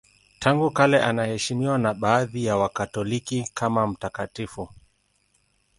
Tangu kale anaheshimiwa na baadhi ya Wakatoliki kama mtakatifu.